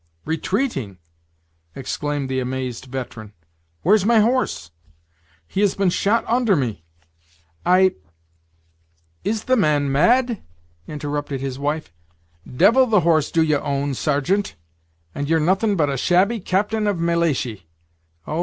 "Retreating!" exclaimed the amazed veteran; "where's my horse? he has been shot under me I " "Is the man mad?" interrupted his wife "devil the horse do ye own, sargeant, and ye're nothing but a shabby captain of malaishy. Oh!